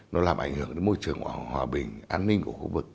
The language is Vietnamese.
nó làm ảnh hưởng đến môi trường hòa bình an ninh của khu vực